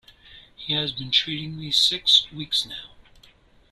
He has been treating me six weeks now.